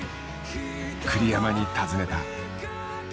栗山に尋ねた。